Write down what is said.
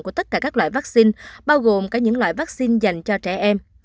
của tất cả các loại vaccine bao gồm cả những loại vaccine dành cho trẻ em